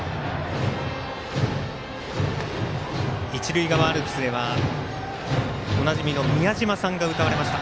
一塁側アルプスではおなじみの「みやじまさん」が歌われました。